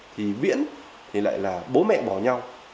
thì viễn thì lại là bố mẹ bỏ nhau